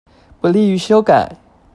不利於修改